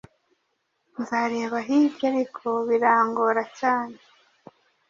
Nzareba hirya ariko birangora cyane